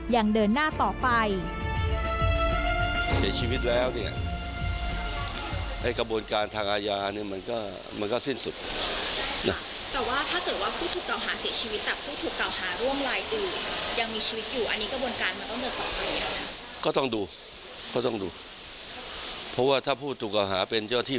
ยังเดินหน้าต่อไป